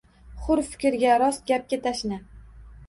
Hur fikrga, rost gapga tashna.